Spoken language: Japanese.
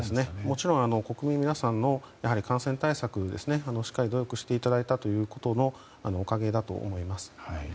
もちろん国民の皆さんが感染対策をしっかりと努力していただいたということのおかげだと思います。